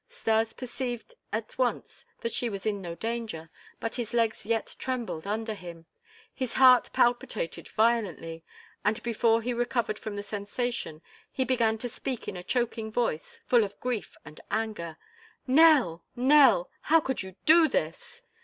Stas perceived at once that she was in no danger, but his legs yet trembled under him, his heart palpitated violently, and before he recovered from the sensation, he began to speak in a choking voice, full of grief and anger: "Nell! Nell! How could you do this?"